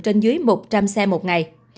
trên dưới một trăm linh xe một ngày